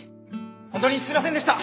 ホントにすいませんでした